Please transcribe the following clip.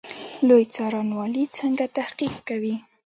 لوی څارنوالي څنګه تحقیق کوي؟